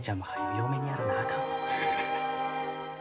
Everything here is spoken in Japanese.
嫁にやらなあかん。